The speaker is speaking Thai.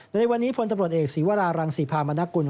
ในวันนี้พลตำรวจเอกศีวรารังศรีพามนกุล